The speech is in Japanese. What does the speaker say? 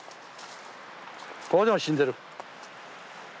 ここでも死んでる。